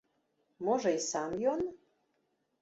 Можа, і сам ён?